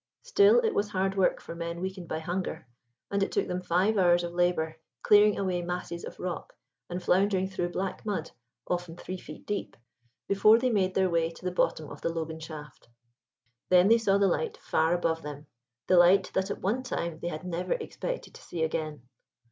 Still it was hard work for men weakened by hunger; and it took them five hours of labour clearing away masses of rock, and floundering through black mud, often three feet deep, before they made their way to the bottom of the Logan shaft. Then they saw the light far above them—the light that at one time they had never expected to see again.